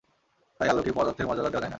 তাই আলোকে পদার্থের মর্যাদা দেওয়া যায় না।